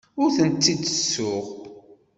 Ur tent-id-ttessuɣ.